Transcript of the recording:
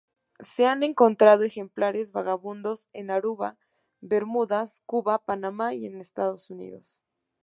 Se han encontrado ejemplares vagabundos en Aruba, Bermudas, Cuba, Panamá y en Estados Unidos.